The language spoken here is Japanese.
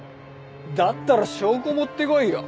だったら証拠持ってこいよ。